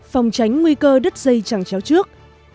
phòng tránh nguy cơ đứt dây chẳng chéo trước